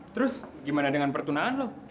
terus gimana dengan pertunaan loh